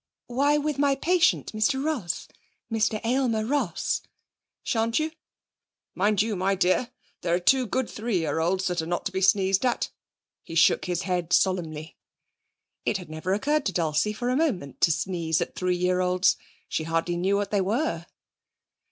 'Why, with my patient, Mr Ross Mr Aylmer Ross.' 'Shan't you? Mind you, my dear, there are two good three year olds that are not to be sneezed at.' He shook his head solemnly. It had never occurred to Dulcie for a moment to sneeze at three year olds. She hardly knew what they were.